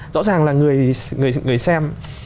rõ ràng là người xem